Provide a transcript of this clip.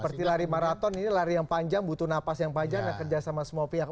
seperti lari maraton ini lari yang panjang butuh napas yang panjang dan kerjasama semua pihak